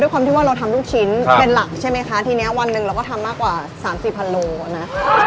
ความที่ว่าเราทำลูกชิ้นเป็นหลักใช่ไหมคะทีนี้วันหนึ่งเราก็ทำมากกว่า๓๔พันโลนะ